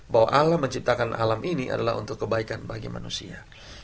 bahwa alam menciptakan alam ini adalah untuk kebaikan bagi manusia